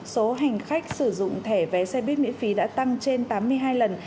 số hành khách sử dụng thẻ vé xe buýt miễn phí đã tăng trên tám mươi hai lần